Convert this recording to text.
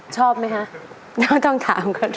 ชอบไหมคะน้องต้องถามเขาด้วย